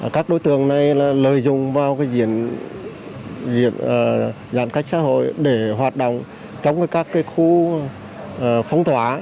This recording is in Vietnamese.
các đối tượng này lợi dụng vào diện giãn cách xã hội để hoạt động trong các khu phong tỏa